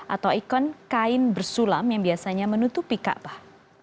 atau ikon kain bersulam yang biasanya menutupi kaabah